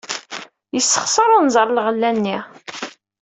Yessexṣer unẓar lɣella-nni.